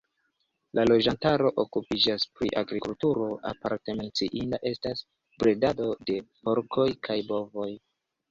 La loĝantaro okupiĝas pri agrikulturo, aparte menciinda estas bredado de porkoj kaj bovoj.